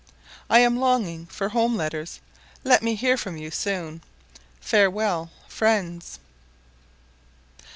I am longing for home letters; let me hear from you soon. Farewell, friends.